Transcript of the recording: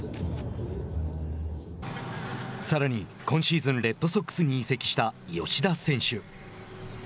さらに、今シーズンレッドソックスに移籍した吉田選手。